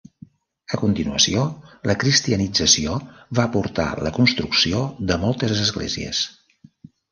A continuació, la cristianització va portar la construcció de moltes esglésies.